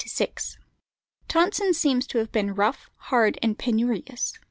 Tonson seems to have been rough, hard, and penurious.